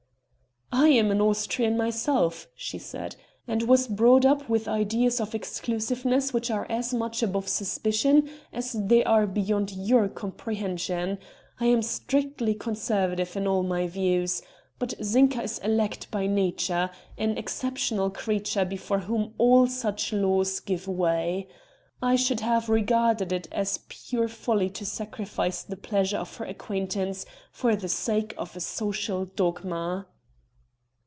"I am an Austrian myself," she said, "and was brought up with ideas of exclusiveness which are as much above suspicion as they are beyond your comprehension. I am strictly conservative in all my views. But Zinka is elect by nature an exceptional creature before whom all such laws give way. I should have regarded it as pure folly to sacrifice the pleasure of her acquaintance for the sake of a social dogma."